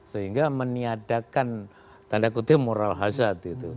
sehingga meniadakan tanda kutip moral hazard